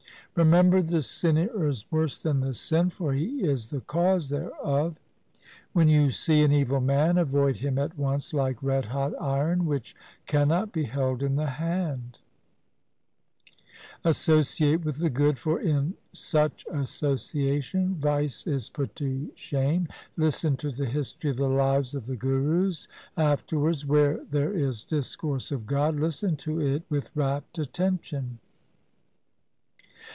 Remember the sinner is worse than the sin, for he is the cause thereof. LIFE OF GURU GOBIND SINGH 161 When you see an evil man, avoid him at once like red hot iron which cannot be held in the hand. Associate with the good, for in such association vice is put to shame. Listen to the history of the lives of the Gurus. Afterwards where there is discourse of God, listen to it with rapt attention.